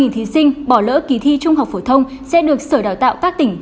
hơn một mươi năm thí sinh bỏ lỡ kỳ thi trung học phổ thông sẽ được sở đào tạo phát tỉnh